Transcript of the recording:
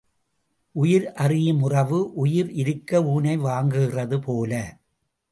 உயிர் அறியும் உறவு, உயிர் இருக்க ஊனை வாங்குகிறது போல.